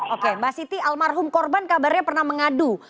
oke mbak siti almarhum korban kabarnya pernah mengadu